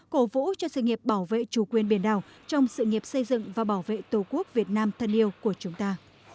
cổ vũ cho sự nghiệp bảo vệ chủ quyền biển đảo trong sự nghiệp xây dựng và bảo vệ tổ quốc việt nam thân yêu của chúng ta